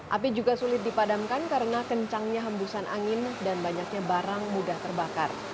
api juga sulit dipadamkan karena kencangnya hembusan angin dan banyaknya barang mudah terbakar